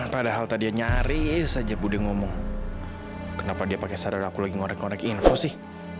padahal tadi nyaris aja budi ngomong kenapa dia pakai sarul aku lagi ngorek ngorek info sih